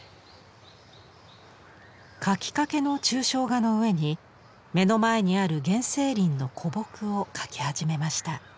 描きかけの抽象画の上に目の前にある原生林の古木を描き始めました。